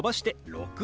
６。